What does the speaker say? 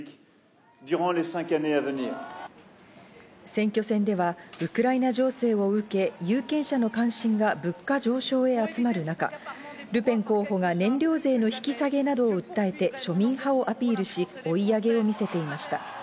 選挙戦ではウクライナ情勢を受け、有権者の関心が物価上昇へ集まる中、ルペン候補が燃料税の引き下げなどを訴えて庶民派をアピールし、追い上げを見せていました。